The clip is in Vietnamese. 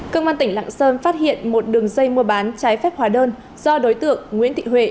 công an tỉnh lạng sơn phát hiện một đường dây mua bán trái phép hóa đơn do đối tượng nguyễn thị huệ